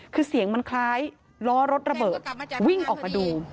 คือเสียงมันคล้ายล้อรถระเบิดวิ่งออกมาดู